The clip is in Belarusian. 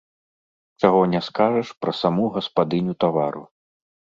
Чаго не скажаш пра саму гаспадыню тавару.